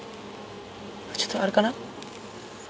ちょっとあれかな。